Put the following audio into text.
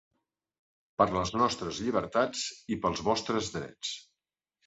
Per les nostres llibertats i pels vostres drets.